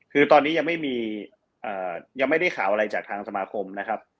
คือตอนนี้ยังไม่ได้ข่าวอะไรจากทางสมาคมนะครับ